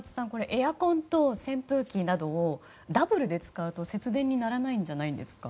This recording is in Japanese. エアコンと扇風機などをダブルで使うと節電にならないんじゃないですか？